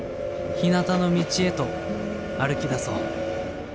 「ひなたの道へと歩きだそう。